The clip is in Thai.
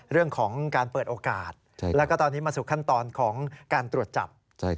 เรื่องของการเปิดโอกาสแล้วก็ตอนนี้มาสู่ขั้นตอนของการตรวจจับ